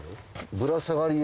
ぶら下がりや。